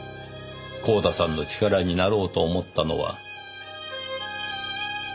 光田さんの力になろうと思ったのは。